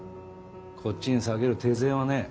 こっちに割ける手勢はねえ。